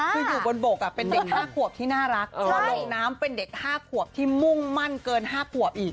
คืออยู่บนบกเป็นเด็ก๕ขวบที่น่ารักพอลงน้ำเป็นเด็ก๕ขวบที่มุ่งมั่นเกิน๕ขวบอีก